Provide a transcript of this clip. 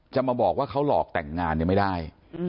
จะมาบอกว่าเขาหลอกแต่งงานเนี่ยไม่ได้